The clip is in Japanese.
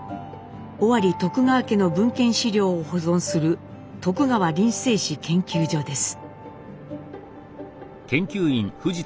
尾張徳川家の文献資料を保存する徳川林政史研究所です。